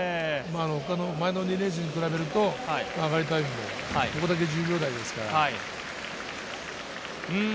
前の２レースに比べると上がりタイム、ここだけ１０秒台です。